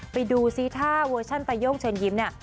ไปดูซิถ้าเวอร์ชันตายกเชิญยิ้มเนี่ย